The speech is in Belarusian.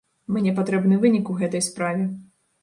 Мне патрэбны вынік у гэтай справе.